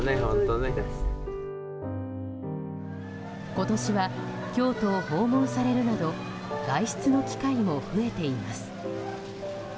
今年は京都を訪問されるなど外出の機会も増えています。